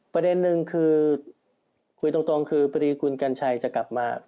ประเด็นนึงคือคุยตรงคือพอดีคุณกัญชัยจะกลับมา